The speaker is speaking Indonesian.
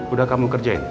udah kamu kerjain